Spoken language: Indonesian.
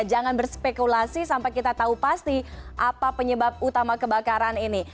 jangan berspekulasi sampai kita tahu pasti apa penyebab utama kebakaran ini